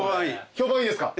評判いいですか。